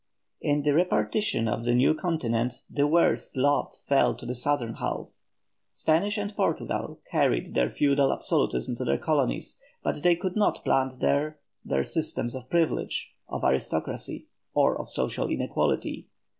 In the repartition of the new continent the worst lot fell to the southern half. Spain and Portugal carried their feudal absolutism to their colonies, but they could not plant there their systems of privilege, of aristocracy, or of social inequality.